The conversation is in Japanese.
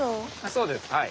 そうですはい。